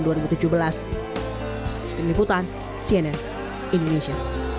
deniputan cnn indonesia